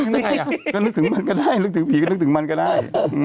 ต้องยกถึงมันก็ได้นึกถึงผีนึกถึงมันก็ได้